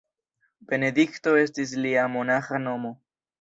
Benedikto estis lia monaĥa nomo.